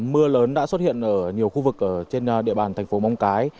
mưa lớn đã xuất hiện ở nhiều khu vực ở trên địa bàn thành phố mong cái